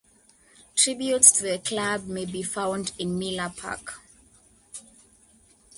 Tributes to the club may be found in Miller Park.